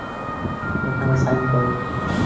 এখানে সাইন করো।